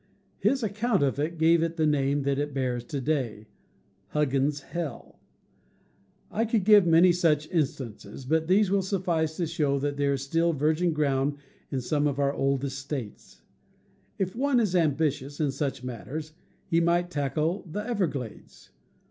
His account of it gave it the name that it bears to day, "Huggins's hell." I could give many GETTING LOST— BIVOUACS 213 such instances, but these will suffice to show that there is still virgin ground in some of our oldest states. If one is ambitious in such matters, he might tackle the Everglades.